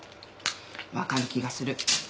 わかる気がする。